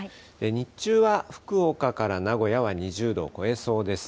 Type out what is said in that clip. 日中は福岡から名古屋は２０度を超えそうです。